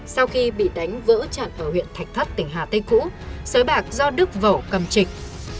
sau khi bị đánh vỡ chặn ở huyện thạch thất tỉnh hà tây cũ sới bạc do đức vẩu cầm trịch